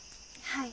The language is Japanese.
はい。